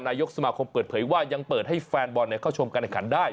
นายกสมาคมเปิดเผยว่ายังเปิดให้แฟนบอลเข้าชมการแข่งขันได้